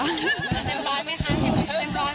เป็น๑๐๐รึยังคะ